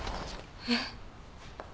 えっ？